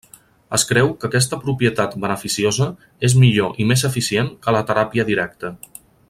Es creu que aquesta propietat beneficiosa és millor i més eficient que la teràpia directa.